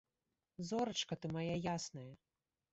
Зорачка ты мая ясная!